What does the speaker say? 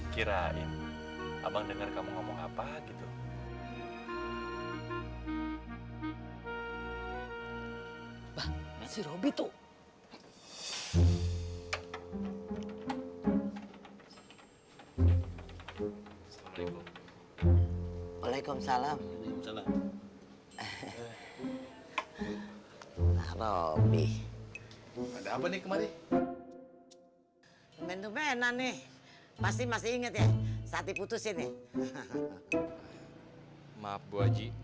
jadi abang pasti akan sabar nungguin kamu